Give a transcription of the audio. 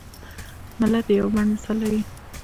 ملت د یوه بڼ مثال لري.